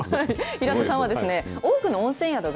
平田さんは多くの温泉宿が、